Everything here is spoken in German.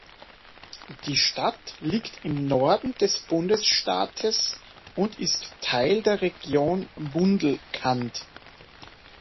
Die Stadt liegt im Norden des Bundesstaates und ist Teil der Region Bundelkhand.